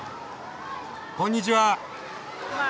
こんにちは。